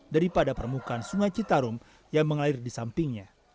daripada permukaan sungai citarum yang mengalir di sampingnya